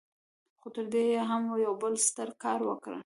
خو تر دې يې هم يو بل ستر کار وکړ.